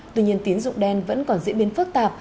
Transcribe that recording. tuy nhiên tiến dụng đen vẫn còn diễn biến phức tạp